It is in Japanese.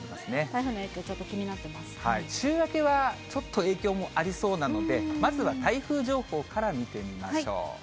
台風の影響、ちょっと気にな週明けはちょっと、影響もありそうなので、まずは台風情報から見てみましょう。